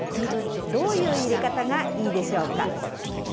どういう入れ方がいいでしょうか。